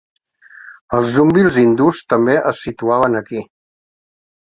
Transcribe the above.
Els "Zunbils" hindús també es situaven aquí.